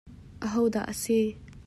Aho dah a si?